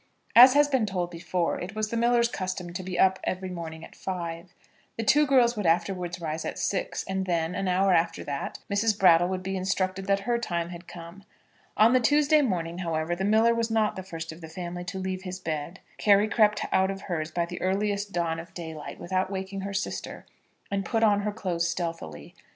As has been told before, it was the miller's custom to be up every morning at five. The two girls would afterwards rise at six, and then, an hour after that, Mrs. Brattle would be instructed that her time had come. On the Tuesday morning, however, the miller was not the first of the family to leave his bed. Carry crept out of hers by the earliest dawn of daylight, without waking her sister, and put on her clothes stealthily.